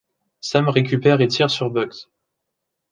Sam récupère et tire sur Bugs.